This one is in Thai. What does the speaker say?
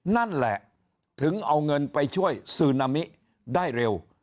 นั่นแหละถึงเอาเงินไปช่วยซึนามิได้เร็ว